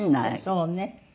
そうね。